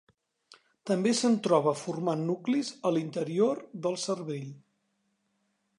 També se'n troba formant nuclis a l'interior del cervell.